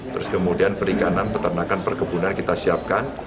terus kemudian perikanan peternakan perkebunan kita siapkan